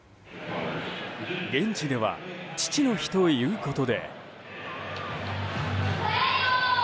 現地では父の日ということで。